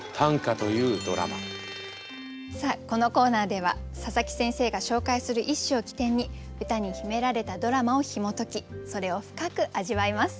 このコーナーでは佐佐木先生が紹介する一首を起点に歌に秘められたドラマをひも解きそれを深く味わいます。